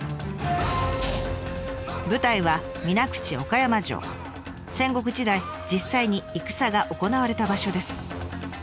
舞台は戦国時代実際に戦が行われた場所です。